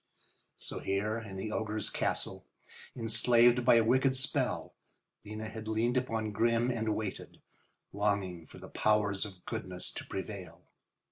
So, here in the ogre's castle, enslaved by a wicked spell, Lena had leaned upon Grimm and waited, longing for the powers of goodness to prevail.